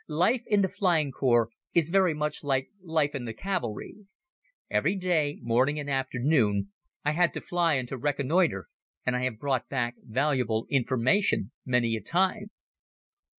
Life in the Flying Corps is very much like life in the cavalry. Every day, morning and afternoon, I had to fly and to reconnoiter, and I have brought back valuable information many a time.